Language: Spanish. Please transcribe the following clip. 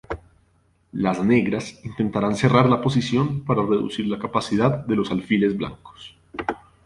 Las negras intentarán cerrar la posición para reducir la capacidad de los alfiles blancos.